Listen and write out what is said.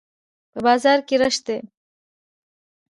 په بازار کښي رش دئ.